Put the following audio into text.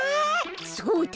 そうだ。